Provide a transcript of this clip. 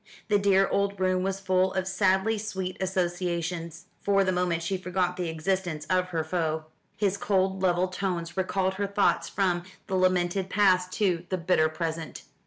The dear old room was full of sadly sweet associations. For the moment she forgot the existence of her foe. His cold level tones recalled her thoughts from the lamented past to the bitter present.